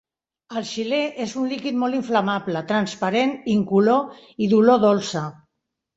El xilè és un líquid molt inflamable, transparent, incolor i d'olor dolça.